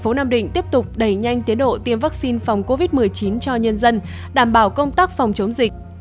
sở y tế tp nam định tiếp tục đẩy nhanh tiến độ tiêm vaccine phòng covid một mươi chín cho nhân dân đảm bảo công tác phòng chống dịch